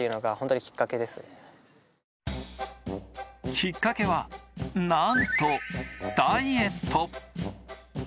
きっかけは、なんとダイエット。